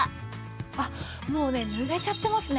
あっもうねぬれちゃってますね。